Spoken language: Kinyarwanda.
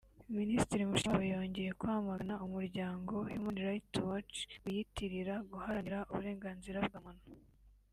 Ministiri Mushikiwabo yongeye kwamagana umuryango “Human Right Watch” wiyitirira guharanira uburenganganzira bwa muntu